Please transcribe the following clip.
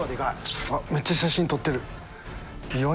めっちゃ写真撮ってる。